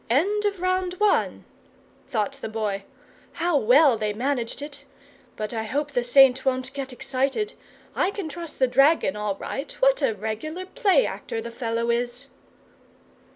"End of Round One!" thought the Boy. "How well they managed it! But I hope the Saint won't get excited. I can trust the dragon all right. What a regular play actor the fellow is!"